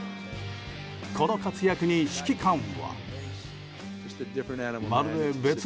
この活躍に、指揮官は。